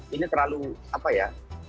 ini terlalu apa ya